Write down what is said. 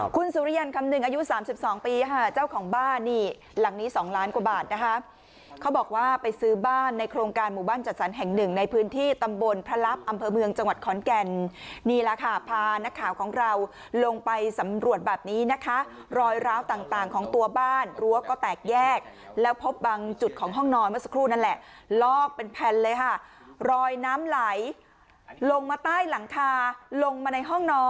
คุณสุริยันทร์คำหนึ่งอายุ๓๒ปีเจ้าของบ้านนี่หลังนี้๒ล้านกว่าบาทนะคะเขาบอกว่าไปซื้อบ้านในโครงการหมู่บ้านจัดสรรแห่งหนึ่งในพื้นที่ตำบลพระลับอำเภอเมืองจังหวัดขอนแก่นนี่ล่ะค่ะพานักข่าวของเราลงไปสำรวจแบบนี้นะคะรอยราวต่างของตัวบ้านรั้วก็แตกแยกแล้วพบบางจุดของห้องนอนเมื่อสักครู่